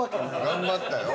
頑張ったよ。